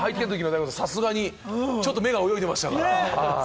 さすがにちょっと目が泳いでましたから。